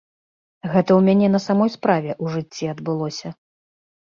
Гэта ў мяне на самой справе ў жыцці адбылося.